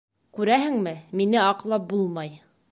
Күрәһеңме, мине аҡлап булмай.